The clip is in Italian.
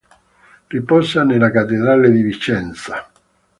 Riposa nella cattedrale di Vicenza.